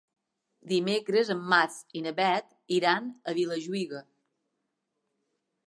Dimecres en Max i na Bet iran a Vilajuïga.